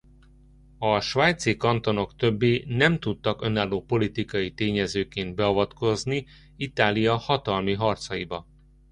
A svájci kantonok többé nem tudtak önálló politikai tényezőként beavatkozni Itália hatalmi harcaiba.